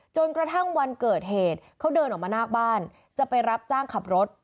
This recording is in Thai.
จนกระทั่งวันเกิดเหตุเขาเดินออกมานอกบ้านจะไปรับจ้างขับรถ